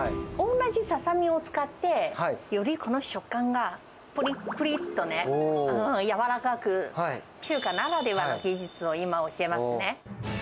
同じササミを使って、よりこの食感がぷりっぷりっとね、柔らかく、中華ならではの技術を、今、教えますね。